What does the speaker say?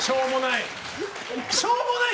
しょうもない。